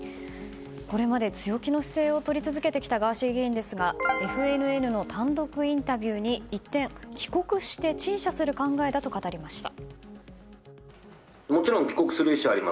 これまで強気の姿勢をとり続けてきたガーシー議員ですがＦＮＮの単独インタビューに一転、帰国して陳謝する考えだと語りました。